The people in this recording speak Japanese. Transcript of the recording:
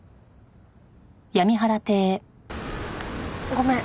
ごめん。